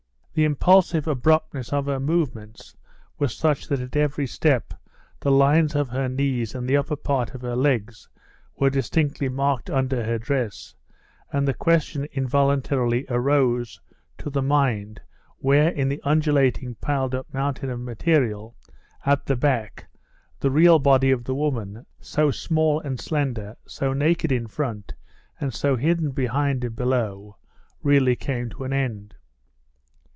The impulsive abruptness of her movements was such that at every step the lines of her knees and the upper part of her legs were distinctly marked under her dress, and the question involuntarily rose to the mind where in the undulating, piled up mountain of material at the back the real body of the woman, so small and slender, so naked in front, and so hidden behind and below, really came to an end.